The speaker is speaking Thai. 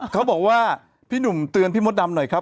เขาบอกว่าพี่หนุ่มเตือนพี่มดดำหน่อยครับ